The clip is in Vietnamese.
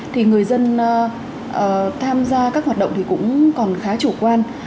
thì người dân tham gia các hoạt động thì cũng còn khá chủ quan